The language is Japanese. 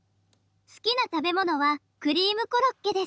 好きな食べ物はクリームコロッケです。